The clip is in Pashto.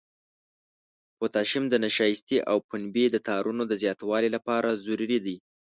پوتاشیم د نشایستې او پنبې د تارونو د زیاتوالي لپاره ضروري دی.